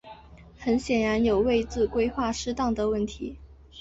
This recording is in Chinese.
很显然有位置规划失当的问题。